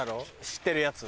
知ってるやつ。